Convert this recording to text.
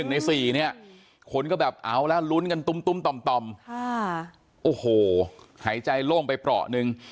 ใน๔เนี่ยคนก็แบบเอาละลุ้นกันตุ้มต่อมโอ้โหหายใจโล่งไปเปราะหนึ่ง